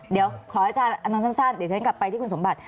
เดี๋ยวขออาจารย์อนนท์สั้นเดี๋ยวฉันกลับไปที่คุณสมบัติ